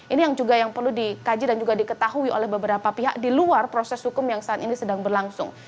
ini yang juga yang perlu dikaji dan juga diketahui oleh beberapa pihak di luar proses hukum yang saat ini sedang berlangsung